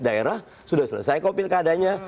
daerah sudah selesai kok pilkadanya